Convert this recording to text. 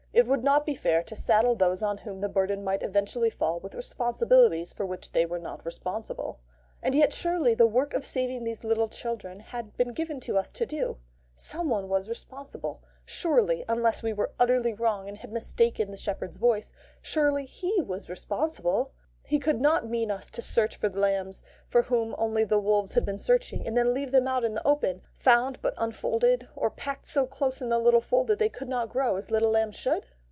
It would not be fair to saddle those on whom the burden might eventually fall with responsibilities for which they were not responsible. And yet surely the work of saving these little children had been given to us to do? Someone was responsible. Surely, unless we were utterly wrong and had mistaken the Shepherd's Voice, surely He was responsible! He could not mean us to search for the lambs for whom only the wolves had been searching, and then leave them out in the open, found but unfolded, or packed so close in the little fold that they could not grow as little lambs should?